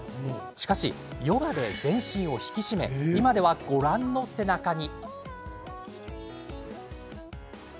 しかしヨガで全身を引き締め今では、ご覧の背中に。